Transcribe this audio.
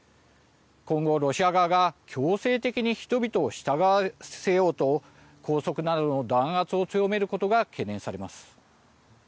今後、ロシア側が強制的に人々を従わせようと拘束などの弾圧を強めることが懸念されます。